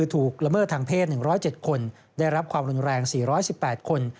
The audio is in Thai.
ละเมิดทางเพศ๑๐๗คนได้รับความรุนแรง๔๑๘คน